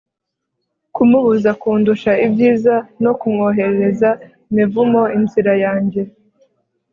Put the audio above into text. kumubuza kundusha ibyiza no kumwoherereza imivumo inzira yanjye